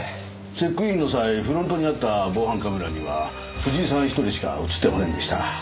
チェックインの際フロントにあった防犯カメラには藤井さん１人しか映ってませんでした。